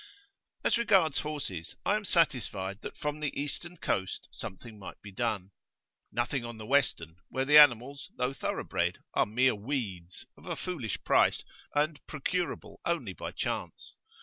As regards horses, I am satisfied that from the Eastern coast something might be done nothing on the Western, where the animals, though thorough bred, are mere "weeds," of a foolish price and procurable only by chance.